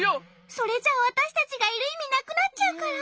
それじゃあわたしたちがいるいみなくなっちゃうから。